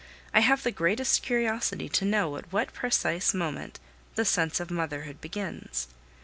I have the greatest curiosity to know at what precise moment the sense of motherhood begins.